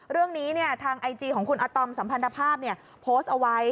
เรื่องนี้ทางไอจีของคุณอาตอมสัมพันธภาพโพสต์เอาไว้